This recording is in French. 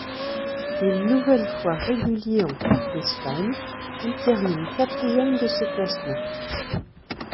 Une nouvelle fois régulier en Coupe d'Espagne, il termine quatrième de ce classement.